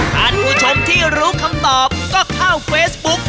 ท่านผู้ชมที่รู้คำตอบก็เข้าเฟซบุ๊ก